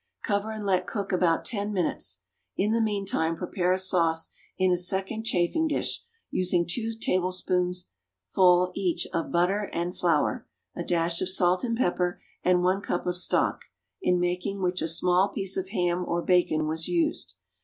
Cover and let cook about ten minutes. In the meantime prepare a sauce in a second chafing dish, using two tablespoonfuls, each, of butter and flour, a dash of salt and pepper, and one cup of stock, in making which a small piece of ham or bacon was used.